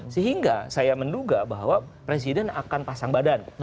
sehingga saya menduga bahwa presiden akan pasang badan